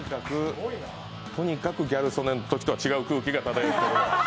とにかくギャル曽根のときとは違う空気が漂ってる。